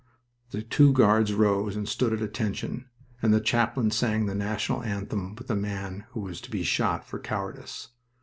The two guards rose and stood at attention, and the chaplain sang the national anthem with the man who was to be shot for cowardice.